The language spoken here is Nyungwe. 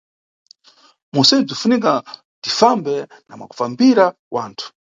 Munʼsewu, bzinʼfunika tifambe na mwakufambira wanthu.